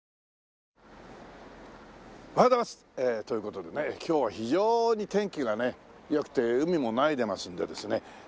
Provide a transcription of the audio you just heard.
という事でね今日は非常に天気がね良くて海もないでますんでですね